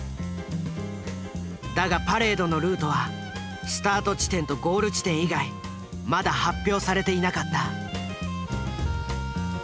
だがパレードのルートはスタート地点とゴール地点以外まだ発表されていなかった。